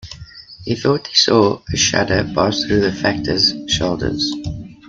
He thought he saw a shudder pass through the Factor's shoulders.